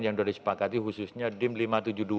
yang sudah disepakati khususnya dim lima ratus tujuh puluh dua